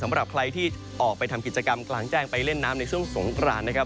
สำหรับใครที่ออกไปทำกิจกรรมกลางแจ้งไปเล่นน้ำในช่วงสงกรานนะครับ